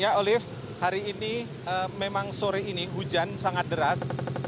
ya olive hari ini memang sore ini hujan sangat deras